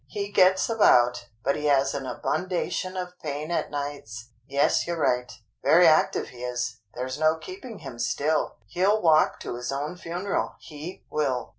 He gets about, but he has an abundation of pain at nights. Yes, you're right. Very active he is, there's no keeping him still. He'll walk to his own funeral, he will."